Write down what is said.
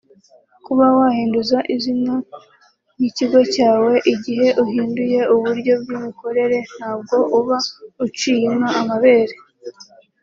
Kuba wahindura izina ry’ikigo cyawe igihe uhinduye uburyo bw’imikorere ntabwo uba uciye inka amabere